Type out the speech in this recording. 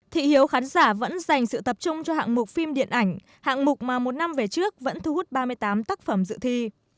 thị hiếu khán giả vẫn dành sự tập trung cho hạng mục phim điện ảnh hạng mục mà một năm về trước vẫn thu hút ba mươi tám tác phẩm dự thi